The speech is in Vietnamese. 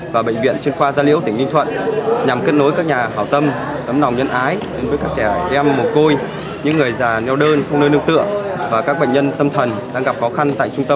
và bệnh viện trên khoa gia niễu tỉnh ninh thuận